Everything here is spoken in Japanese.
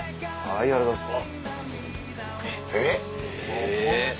ありがとうございます。